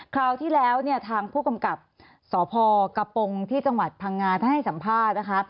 คราวที่แล้วเนี่ยทางผู้กำกับสพกระปงที่จังหวัดพังงาท่านให้สัมภาษณ์นะคะ